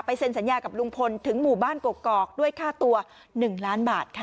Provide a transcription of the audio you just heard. เซ็นสัญญากับลุงพลถึงหมู่บ้านกกอกด้วยค่าตัว๑ล้านบาทค่ะ